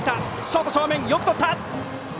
ショート正面、よくとった！